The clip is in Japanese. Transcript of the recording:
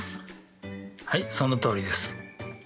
はいそのとおりです。